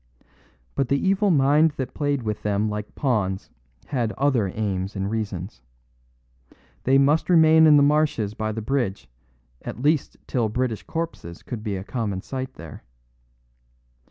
But the evil mind that played with them like pawns had other aims and reasons. They must remain in the marshes by the bridge at least till British corpses should be a common sight there.